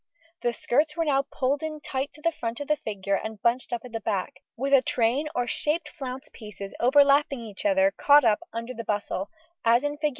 The skirts were now pulled in tight to the front of the figure and bunched up at the back, with a train or shaped flounced pieces overlapping each other caught up under the bustle, as in Fig.